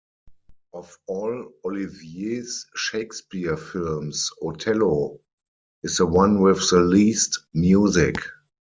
Of all Olivier's Shakespeare films, "Othello" is the one with the least music.